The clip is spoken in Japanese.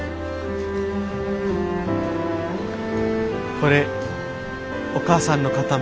これお母さんの形見。